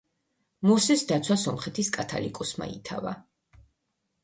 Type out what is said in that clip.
მოსეს დაცვა სომხეთის კათალიკოსმა ითავა.